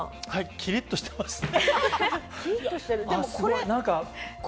キリっとしてますね。